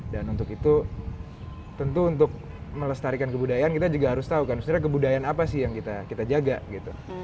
dan untuk itu tentu untuk melestarikan kebudayaan kita juga harus tahu kan sebenarnya kebudayaan apa sih yang kita jaga gitu